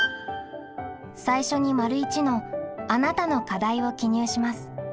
最初に①の「あなたの課題」を記入します。